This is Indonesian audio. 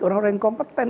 orang orang yang kompeten